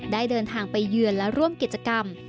ได้เดินทางไปเยือนและร่วมกิจกรรม